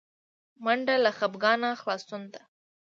منډه له خپګانه خلاصون ده